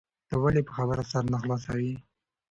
ته ولي په خبره سر نه خلاصوې؟